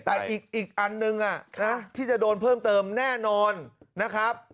แต่อีกอันนึงที่จะโดนเพิ่มเติมแน่นอนนะครับ